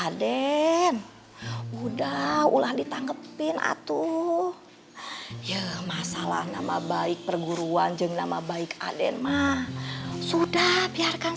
haden udah ulah ditanggepin atuh ya masalah nama baik perguruan jeng nama baik aden mah sudah biarkan